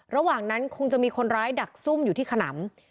ระหว่างนั้นคงจะมีคนร้ายดักซุ่มอยู่ที่ขนำ